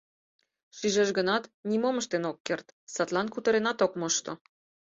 Шижеш гынат, нимом ыштен ок керт, садлан кутыренат ок мошто.